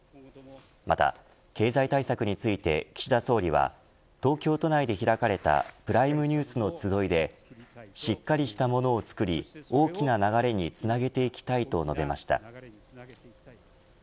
また経済対策について岸田総理は東京都内で開かれたプライムニュースの集いでしっかりしたものを作り大きな流れにつなげていきたいと述べました。